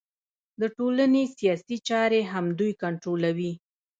د ټولنې سیاسي چارې هم دوی کنټرولوي